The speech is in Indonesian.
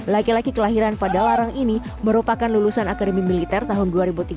laki laki kelahiran pada larang ini merupakan lulusan akademi militer tahun dua ribu tiga belas